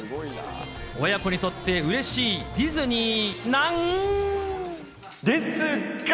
親子にとってうれしいディズですが。